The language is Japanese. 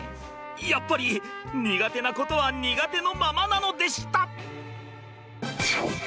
やっぱり苦手なことは苦手のままなのでした！